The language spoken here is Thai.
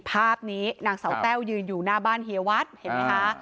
ภาพนี้นางสาวแต้วยืนอยู่หน้าบ้านเฮียวัดเห็นไหมคะ